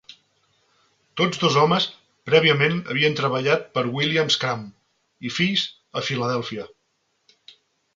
Tots dos homes prèviament havien treballat per William Cramp i Fills a Filadèlfia.